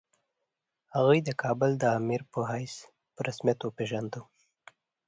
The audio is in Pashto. هغه یې د کابل د امیر په حیث په رسمیت وپېژانده.